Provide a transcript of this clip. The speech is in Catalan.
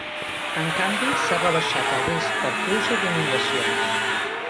En canvi s’ha rebaixat el risc per pluja i d’inundacions.